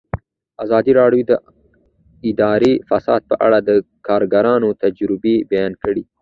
ازادي راډیو د اداري فساد په اړه د کارګرانو تجربې بیان کړي.